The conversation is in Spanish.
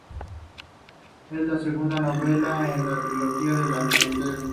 Es la segunda novela en la Trilogía de la frontera.